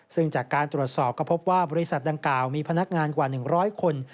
ซึ่งจากการตรวจสอบก็พบว่าบริษัทดังกล่าวมีพนักงานกว่า๑๐๐คน